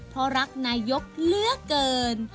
เพราะรักนายกเหลือเกิน